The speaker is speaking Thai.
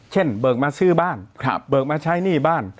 เบิกมาซื้อบ้านเบิกมาใช้หนี้บ้าน